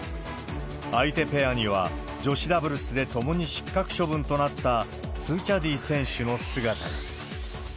相手ペアには女子ダブルスで共に失格処分となったスーチャディ選手の姿が。